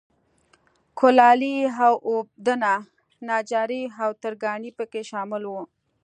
کولالي، اوبدنه، نجاري او ترکاڼي په کې شامل وو